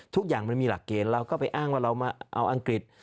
ทุกอย่างมันมีหลักเกณฑ์เราก็ไปอ้างว่าเรามาเอาอังกฤษ